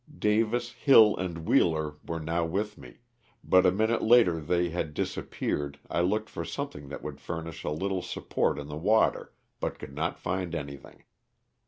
Davis, Hill and Wheeler were now with me, but a minute later they had disap peared I looked for something that would furnish a little support in the water but could not find any thing.